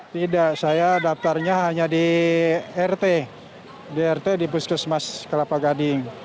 tidak saya daftarnya hanya di rt di rt di puskesmas kelapa gading